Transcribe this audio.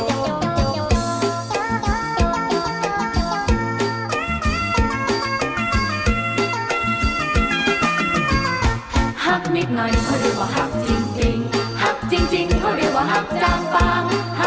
ฝนโจงโปรง